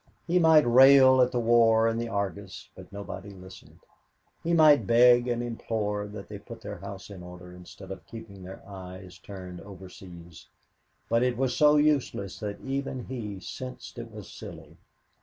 He might rail at the war in the Argus, but nobody listened. He might beg and implore that they put their house in order instead of keeping their eyes turned overseas, but it was so useless that even he sensed it was silly.